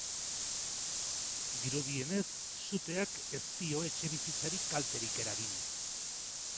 Dirudienez, suteak ez dio etxebizitzarik kalterik eragin.